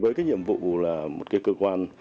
với cái nhiệm vụ là một cái cơ quan